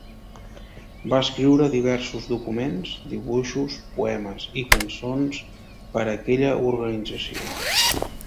Va escriure diversos documents, dibuixos, poemes i cançons per a aquella organització.